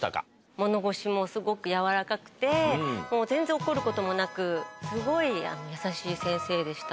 物腰もすごく柔らかくて、もう全然怒ることもなく、すごい優しい先生でした。